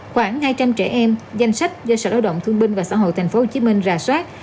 khoảng hai trăm linh trẻ em danh sách do sở lao động thương binh và xã hội tp hcm ra soát